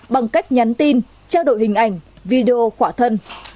bằng cách nhắn tin trao đổi hình ảnh video khỏa thân